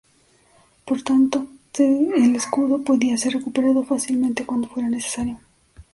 Por lo tanto, el escudo podía ser recuperado fácilmente cuando fuera necesario.